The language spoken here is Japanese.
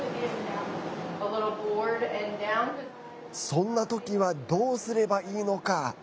そんなときはどうすればいいのか。